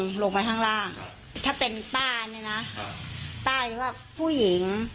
ลงไปข้างล่างถ้าเป็นป้าเนี่ยนะป้าจะว่าผู้หญิง